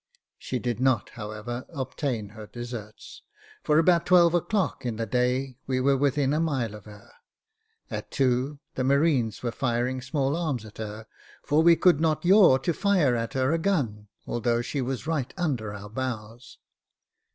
She did not, however, obtain her deserts, for about twelve o'clock in the day we were within a mile of her. At two, the marines were firing small arms at her, for we would not yaw to fire at her a gun, although she was right under our bows.